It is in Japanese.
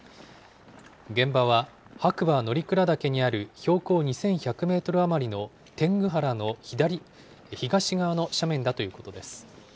現場は白馬乗鞍岳にある標高２１００メートル余りの、天狗原の東側の斜面だということです。